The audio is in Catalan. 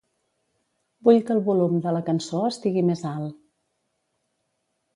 Vull que el volum de la cançó estigui més alt.